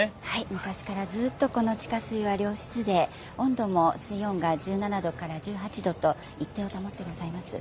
昔からずっとこの地下水は良質で温度も水温が１８度１７度と一定を一定を保ってございます。